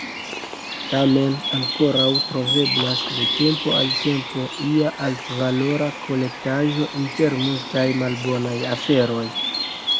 Tamen ankoraŭ troveblas de tempo al tempo ia altvalora kolektaĵo inter multaj malbonaj aferoj.